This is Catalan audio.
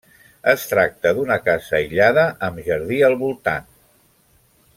Es tracta d'una casa aïllada amb jardí al voltant.